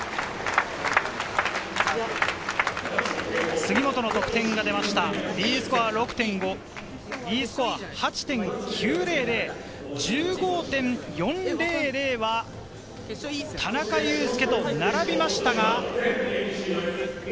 杉本の得点、Ｄスコア６．５、Ｅスコア８．９００、１５．４００は田中佑典と並びましたが。